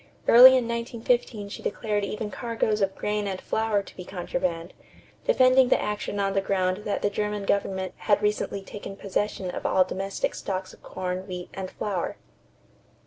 Early in 1915 she declared even cargoes of grain and flour to be contraband, defending the action on the ground that the German government had recently taken possession of all domestic stocks of corn, wheat, and flour.